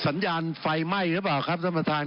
สัญญาณไฟไหม้หรือไม่ครับช่างประทาน